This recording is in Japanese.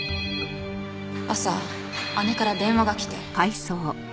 朝姉から電話が来て。